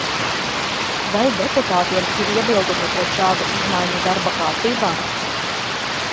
Vai deputātiem ir iebildumi pret šādu izmaiņu darba kārtībā?